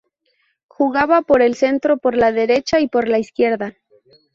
Jugaba por el centro, por la derecha y por la izquierda.